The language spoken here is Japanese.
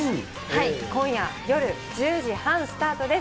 今夜、夜１０時半スタートです。